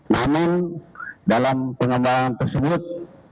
namun dalam pengembangan tersebut